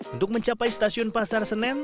untuk mencapai stasiun pasar senen